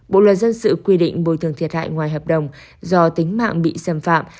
bộ luật dân sự quy định bồi thường thiệt hại ngoài hợp đồng do tính mạng bị xâm phạm